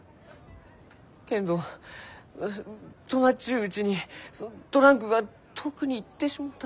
けんど泊まっちゅううちにトランクが遠くに行ってしもうたら。